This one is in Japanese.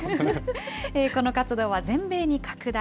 この活動は全米に拡大。